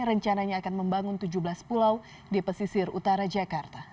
rencananya akan membangun tujuh belas pulau di pesisir utara jakarta